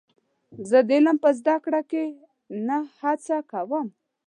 زه د علم په زده کړه کې نه هڅه کوم.